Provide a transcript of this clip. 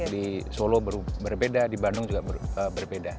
di solo berbeda di bandung juga berbeda